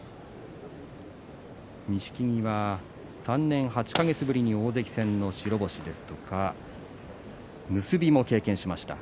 錦木は３年８か月ぶりに大関戦の白星や結びも経験しました。